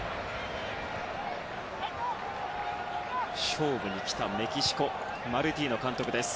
勝負に来たメキシコマルティーノ監督です。